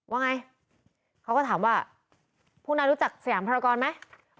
ว่าไงเขาก็ถามว่าพวกนั้นรู้จักสยามภารกรไหม